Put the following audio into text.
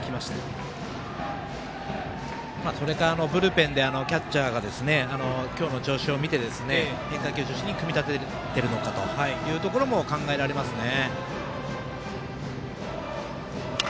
ブルペンでキャッチャーが今日の調子を見て変化球中心に組み立てているのかということも考えられますね。